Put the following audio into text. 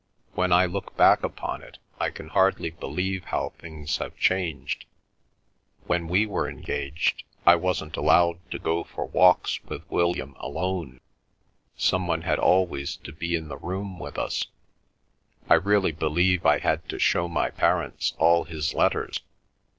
When I look back upon it, I can hardly believe how things have changed. When we were engaged I wasn't allowed to go for walks with William alone—some one had always to be in the room with us—I really believe I had to show my parents all his letters!